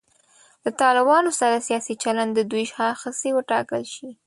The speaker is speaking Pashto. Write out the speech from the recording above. له طالبانو سره سیاسي چلند د دوی شاخصې وټاکل شي.